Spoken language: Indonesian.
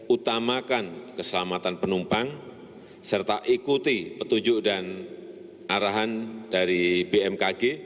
utamakan keselamatan penumpang serta ikuti petunjuk dan arahan dari bmkg